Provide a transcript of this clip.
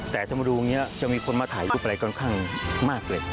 แต่ถ้ามาดูอย่างนี้จะมีคนมาถ่ายรูปอะไรค่อนข้างมากเลย